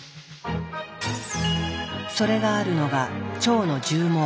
それがあるのが腸の絨毛。